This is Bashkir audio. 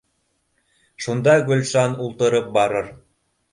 Шунда Гөлшан ултырып барыр